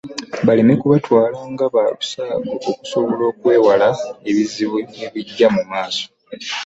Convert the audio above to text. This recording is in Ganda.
Baleme kubutwala nga bwa lusaago okusobola okwewala ebizibu ebijja mu maaso.